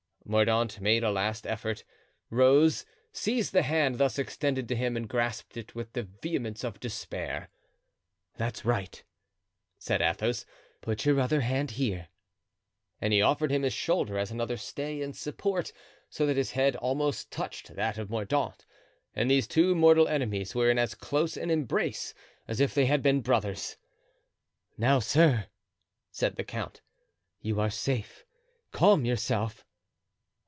Mordaunt made a last effort—rose—seized the hand thus extended to him and grasped it with the vehemence of despair. "That's right," said Athos; "put your other hand here." And he offered him his shoulder as another stay and support, so that his head almost touched that of Mordaunt; and these two mortal enemies were in as close an embrace as if they had been brothers. "Now, sir," said the count, "you are safe—calm yourself."